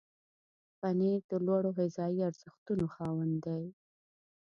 پنېر د لوړو غذایي ارزښتونو خاوند دی.